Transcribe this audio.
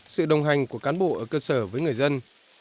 sự đồng hành của cán bộ ở cơ sở với người dân